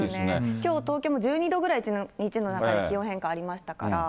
きょう東京も１２度ぐらい、一日の中で気温変化ありましたから。